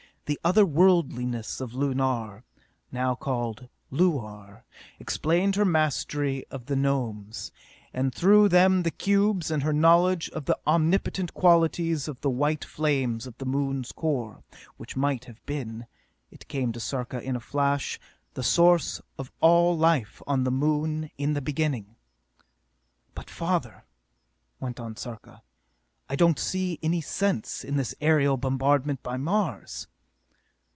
The other worldliness of Lunar, called now Luar, explained her mastery of the Gnomes, and through them the cubes, and her knowledge of the omnipotent qualities of the white flames of the Moon's core, which might have been, it came to Sarka in a flash, the source of all life on the Moon in the beginning! "But father," went on Sarka, "I don't see any sense in this aerial bombardment by Mars!"